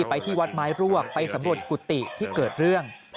ไปที่วัดไม้รวกไปสำรวจกุฏิที่เกิดเรื่อง